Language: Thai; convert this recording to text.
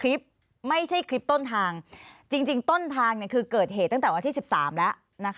ร้อยตำรวจเอกร้อยตำรวจเอกร้อยตำรวจเอกร้อยตำรวจเอก